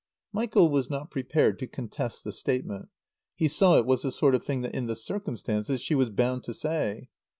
Michael was not prepared to contest the statement. He saw it was the sort of thing that in the circumstances she was bound to say.